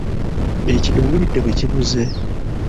Ekide owulidde bwe kivuze?